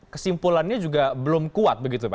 kesimpulannya juga belum kuat begitu pak